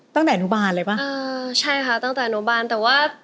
ตั้งแต่อนุบาลเลยป่ะอ่าใช่ค่ะตั้งแต่อนุบาลแต่ว่า